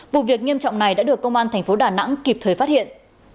vụ việc nghiêm trọng này đã được công an tp đà nẵng kịp thời phát hiện